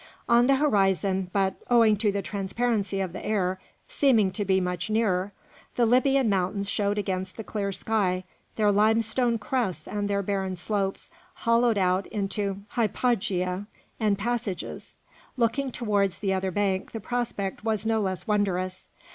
On the horizon, but, owing to the transparency of the air, seeming to be much nearer, the Libyan mountains showed against the clear sky their limestone crests and their barren slopes hollowed out into hypogea and passages. Looking towards the other bank the prospect was no less wondrous.